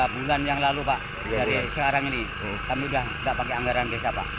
tiga bulan yang lalu pak dari sekarang ini kami sudah tidak pakai anggaran desa pak